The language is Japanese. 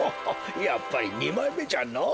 やっぱりにまいめじゃのぉ。